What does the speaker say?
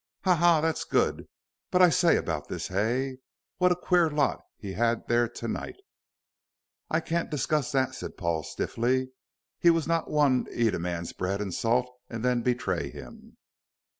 "Ha! ha! that's good. But I say about this Hay. What a queer lot he had there to night." "I can't discuss that," said Paul, stiffly. He was not one to eat a man's bread and salt and then betray him.